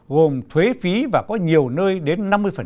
gồm thuế phí và có nhiều nơi đến năm mươi